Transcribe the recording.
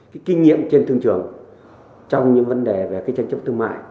cái kinh nghiệm trên thương trường trong những vấn đề về cái tranh chấp thương mại